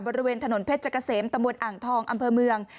บริเวณถนนเพชรเกษมตำบลอ่างทองอำเภอเมือง